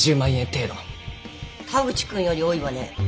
田口君より多いわね。